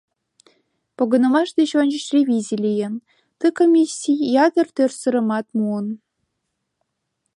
Погынымаш деч ончыч ревизий лийын, ты комиссий ятыр тӧрсырымат муын.